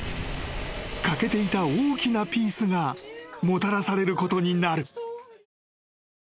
［欠けていた大きなピースがもたらされることになる］